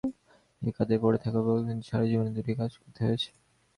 এই কাদায় পড়ে থাকা বস্তুটিকে সারাজীবনে দুটো কাজ করতে হয়েছে।